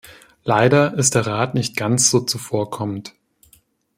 Leider ist der Rat nicht ganz so zuvorkommend.